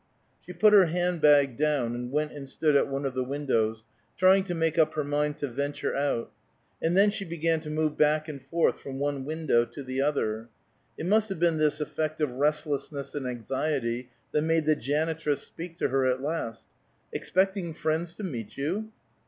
She put her hand bag down, and went and stood at one of the windows, trying to make up her mind to venture out; and then she began to move back and forth from one window to the other. It must have been this effect of restlessness and anxiety that made the janitress speak to her at last: "Expecting friends to meet you?"